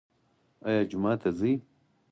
ایا جومات ته ځئ؟